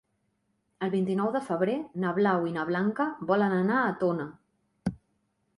El vint-i-nou de febrer na Blau i na Blanca volen anar a Tona.